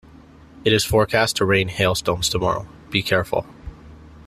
It is forecast to rain hailstones tomorrow, be careful.